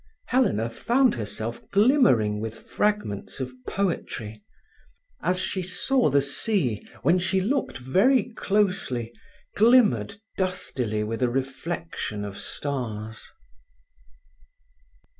Helena found herself glimmering with fragments of poetry, as she saw the sea, when she looked very closely, glimmered dustily with a reflection of stars.